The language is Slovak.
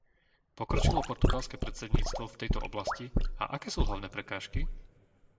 Pokročilo portugalské predsedníctvo v tejto oblasti a aké sú hlavné prekážky?